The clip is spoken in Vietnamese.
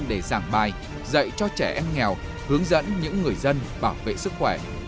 để giảng bài dạy cho trẻ em nghèo hướng dẫn những người dân bảo vệ sức khỏe